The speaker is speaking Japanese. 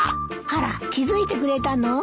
あら気付いてくれたの。